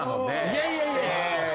いやいや。